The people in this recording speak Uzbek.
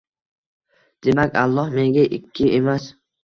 «Demak, Alloh menga ikki emas